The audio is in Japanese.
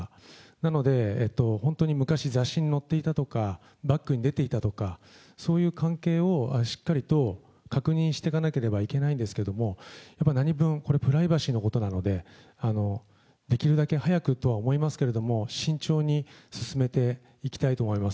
なので、本当に昔、雑誌に載っていたとか、バックに出ていたとか、そういう関係をしっかりと確認していかなければいけないですけれども、なにぶん、これはプライバシーのことなので、できるだけ早くとは思いますけれども、慎重に進めていきたいと思います。